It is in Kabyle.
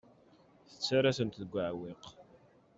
Tettarra-tent deg uɛewwiq.